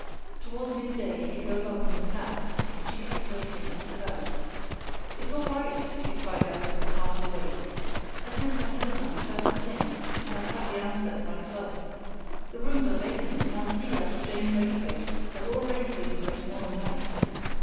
Towards mid day he drove up in a cab which he kept waiting at the curb. "It's all right!" he cried out in his hearty way. "I sent my telegram first thing, and I've had the answer at my club. The rooms are vacant, and I'll see that Jane Braithwaite has all ready for you by to morrow night."